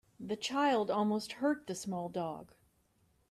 The child almost hurt the small dog.